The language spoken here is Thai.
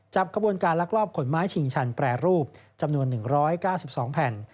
กระบวนการลักลอบขนไม้ชิงชันแปรรูปจำนวน๑๙๒แผ่น